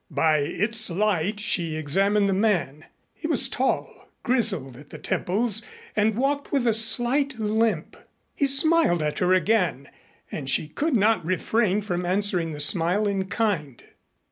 By its light she examined the man. He was tall, grizzled at the temples and walked with a slight limp. He smiled at her again and she could not refrain from answering the smile in kind.